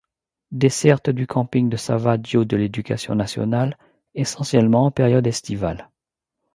Desserte du camping de Savaggio de l'Éducation Nationale, essentiellement en période estivale.